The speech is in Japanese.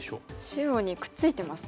白にくっついてますね。